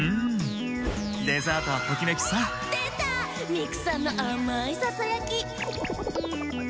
ミクさんのあまいささやき！